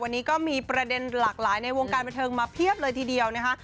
วันนี้ก็มีประเด็นหลากหลายในวงการบันเทิงมาเพียบเลยทีเดียวนะคะ